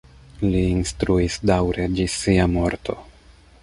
Li instruis daŭre ĝis sia morto.